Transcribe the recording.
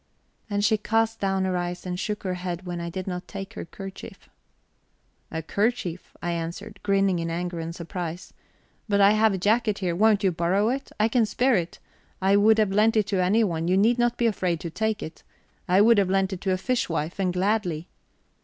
And she cast down her eyes and shook her head when I did not take her kerchief. "A kerchief?" I answer, grinning in anger and surprise. "But I have a jacket here won't you borrow it? I can spare it I would have lent it to anyone. You need not be afraid to take it. I would have lent it to a fishwife, and gladly."